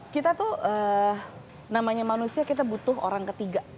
kita tuh namanya manusia kita butuh orang ketiga